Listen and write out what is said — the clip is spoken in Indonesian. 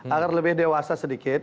agar lebih dewasa sedikit